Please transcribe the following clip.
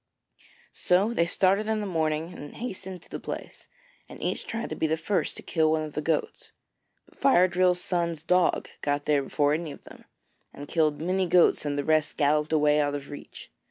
So they started in the morning and hastened to the place, and each tried to be the first to kill one of the goats. But Fire drill's son's dog got there before any of them, and killed many goats and the rest galloped away out of reach.